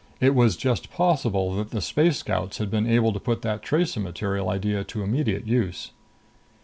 It was just possible that the Space Scouts had been able to put that tracer material idea to immediate use.